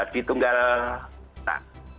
di tunggal putra